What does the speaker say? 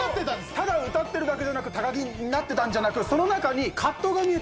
ただ歌ってるだけじゃなく高木になってたんじゃなく素晴らしい。